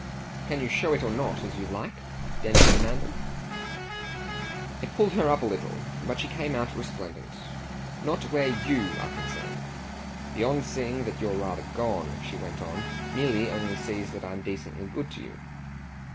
"Can you show it or not as you like?" Densher demanded. It pulled her up a little, but she came out resplendent. "Not where YOU are concerned. Beyond seeing that you're rather gone," she went on, "Milly only sees that I'm decently good to you."